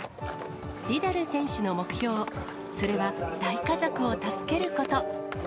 ディダル選手の目標、それは大家族を助けること。